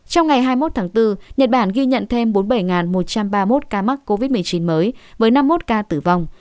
trong ngày hai mươi một tháng bốn nhật bản ghi nhận thêm bốn mươi bảy một trăm ba mươi một ca mắc covid một mươi chín mới với năm mươi một ca tử vong